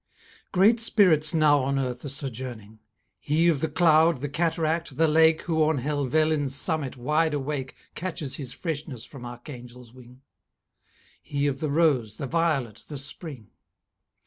Great spirits now on earth are sojourning; He of the cloud, the cataract, the lake, Who on Helvellyn's summit, wide awake, Catches his freshness from Archangel's wing: He of the rose, the violet, the spring.